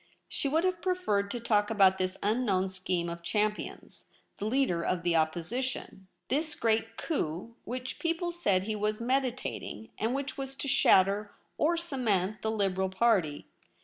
She would have preferred to talk about this unknown scheme of Champion's, the leader of the Opposition — this great coiip which people said he was meditating, and which was to shatter or cement the Liberal Party.